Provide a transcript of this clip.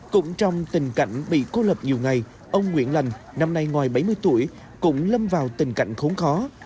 cũng trong tình cảnh bị cô lập nhiều ngày ông nguyễn lành năm nay ngoài bảy mươi tuổi cũng lâm vào tình cảnh khốn khó